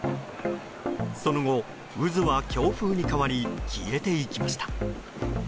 その後、渦は強風に変わり消えていきました。